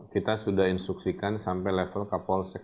kita sudah instruksikan sampai level kapolsek